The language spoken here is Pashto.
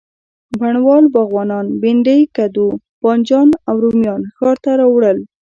بڼوال، باغوانان، بینډۍ، کدو، بانجان او رومیان ښار ته وړل.